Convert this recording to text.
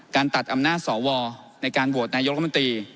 การตัดอำนาจสวในการบวชนายกมติ